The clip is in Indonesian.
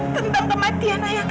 tentang kematian ayah